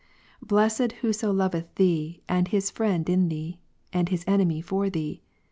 Blessed whoso loveth Thee, and his friend in Thee, and his enemy for Thee.